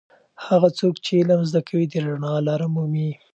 هغه څوک چې علم زده کوي د رڼا لاره مومي.